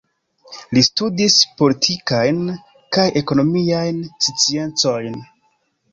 Li studis Politikajn kaj Ekonomiajn Sciencojn.